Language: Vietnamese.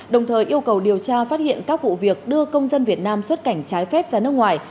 đồng thời yêu cầu điều tra phát hiện các vụ việc đưa công dân việt nam xuất cảnh trái phép ra nước ngoài